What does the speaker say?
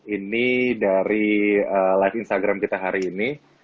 ini dari live instagram kita hari ini